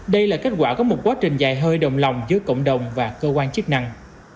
đây là kết quả có một quá trình dài hơi đồng lòng giữa cộng đồng và cơ quan chức năng